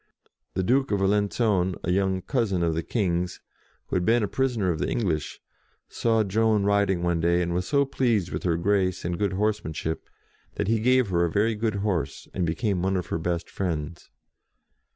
The Duke of Alenc.on, a young cousin of the King's, who had been a prisoner of the English, saw Joan riding one day, and was so pleased with her grace and good horse manship, that he gave her a very good horse, and became one of her best friends.